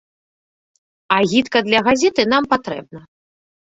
Агітка для газеты нам патрэбна.